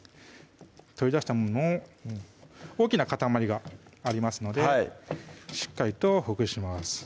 取り出したものを大きな塊がありますのでしっかりとほぐします